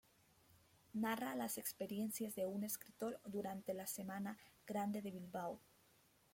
Narra las experiencias de un escritor durante la Semana Grande de Bilbao.